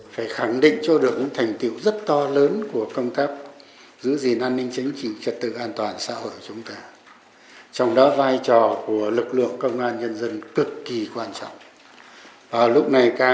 phải khẳng định cho được